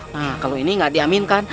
nah kalau ini tidak di aminkan